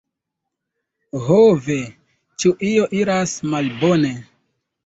"ho ve, ĉu io iras malbone?"